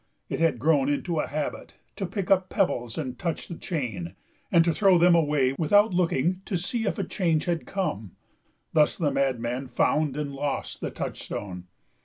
It had grown into a habit, to pick up pebbles and touch the chain, and to throw them away without looking to see if a change had come; thus the madman found and lost the touchstone.